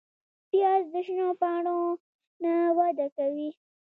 پیاز د شنو پاڼو نه وده کوي